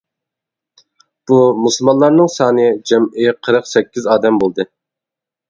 بۇ مۇسۇلمانلارنىڭ سانى جەمئىي قىرىق سەككىز ئادەم بولدى.